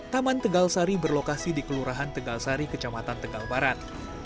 taman tegalsari berlokasi di kelurahan tegalsari kecamatan tegal barat